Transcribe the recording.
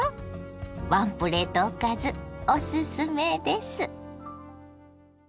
ワンプレートおかずおすすめです。